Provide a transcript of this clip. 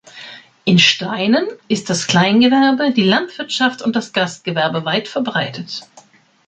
In Steinen ist das Kleingewerbe, die Landwirtschaft und das Gastgewerbe weit verbreitet.